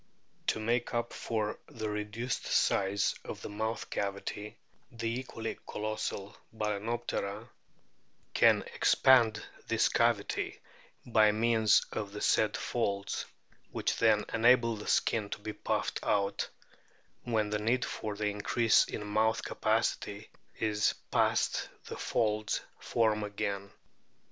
To make up for the reduced size of the mouth cavity, the equally colossal Bal&noptera can expand this cavity by means of the said folds, which then enable the skin to be puffed out ; when the need for the increase in mouth capacity is passed the folds form again.